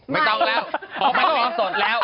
ไม่ต้องแล้วออกไปแล้วหรอสดแล้ว